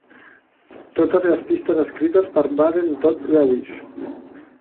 Totes les pistes escrites per Vaden Todd Lewis.